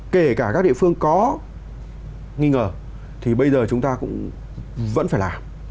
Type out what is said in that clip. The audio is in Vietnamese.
kể cả các địa phương có nghi ngờ thì bây giờ chúng ta cũng vẫn phải làm